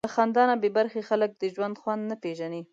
له خندا نه بېبرخې خلک د ژوند خوند نه پېژني.